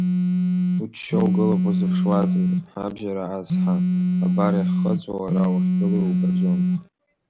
Уччо угылоуп, узыԥшуазеи, ҳабжьара ацҳа, абар, иахьхыҵуа, уара уахьгылоу иубаӡом!